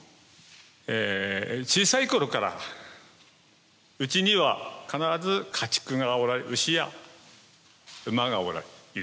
小さい頃からうちには必ず家畜が牛や馬がいる。